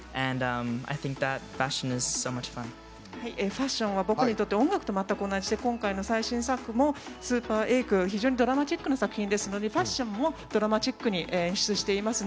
ファッションは僕にとって、音楽と全く同じで今回の最新作も非常にドラマチックな作品なのでファッションもドラマチックに演出しています。